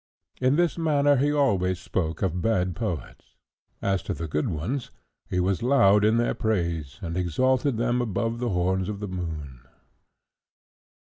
In this manner he always spoke of bad poets; as to the good ones, he was loud in their praise, and exalted them above the horns of the moon.